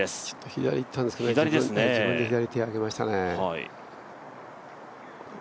左にいったんですけど自分で左、手を挙げましたね。